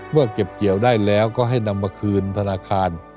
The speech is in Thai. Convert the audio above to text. เก็บเกี่ยวได้แล้วก็ให้นำมาคืนธนาคาร